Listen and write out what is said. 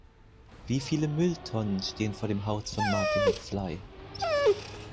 Wie viele Mülltonnen stehen vor dem Haus von Marty McFly?